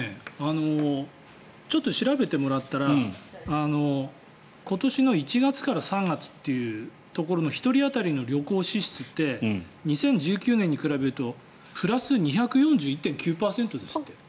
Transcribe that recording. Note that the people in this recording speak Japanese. ちょっと調べてもらったら今年の１月から３月というところの１人当たりの旅行支出って２０１９年に比べるとプラス２４１．９％ですって。